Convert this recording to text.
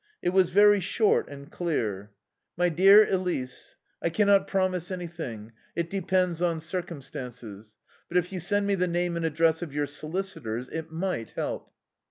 It was very short and clear: "MY DEAR ELISE: "I cannot promise anything it depends on circumstances. But if you sent me the name and address of your solicitors it might help."